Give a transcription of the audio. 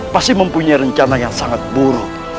pasti mempunyai rencana yang sangat buruk